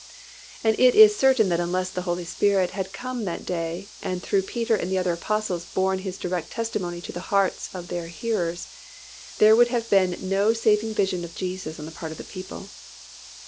And it is certain that unless the Holy Spirit had come that day and through Peter and the other Apostles borne His direct testimony to the hearts of their hearers, there would have been no saving vision of Jesus on the part of the people.